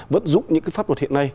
vấn dụng những cái pháp luật hiện nay